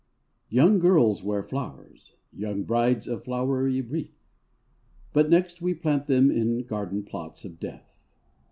\/OUNG girls wear flowers, A Young brides a flowery wreath, But next we plant them In garden plots of death.